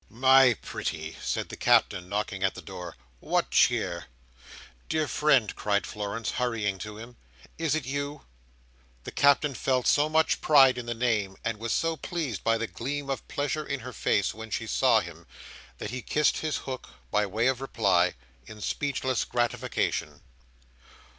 "My pretty," said the Captain, knocking at the door, "what cheer?" "Dear friend," cried Florence, hurrying to him, "is it you?" The Captain felt so much pride in the name, and was so pleased by the gleam of pleasure in her face, when she saw him, that he kissed his hook, by way of reply, in speechless gratification.